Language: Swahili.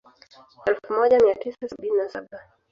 Elfu moja mia tisa sabini na saba